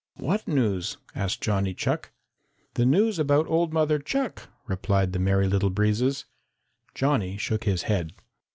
"What news?" asked Johnny Chuck. "The news about old Mother Chuck," replied the Merry Little Breezes. Johnny shook his head.